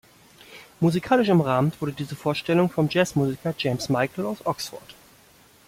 Musikalisch umrahmt wurde diese Vorstellung vom Jazzmusiker James Michel aus Oxford.